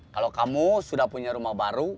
kalau kamu sudah punya rumah baru